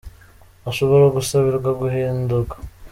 ashobora gusabirwa guhindurwa.